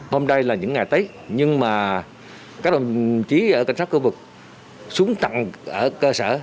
hôm đây là những ngày tết nhưng mà các đồng chí ở cảnh sát cơ vực xuống tặng ở cơ sở